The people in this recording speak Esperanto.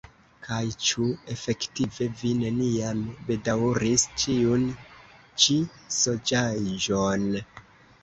Kaj ĉu efektive vi neniam bedaŭris tiun ĉi sonĝaĵon?